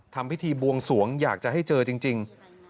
ทำพิธีบวงสวงอยากจะให้เจอจริง